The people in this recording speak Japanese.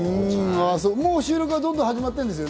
もう収録はどんどん始まってるんですね。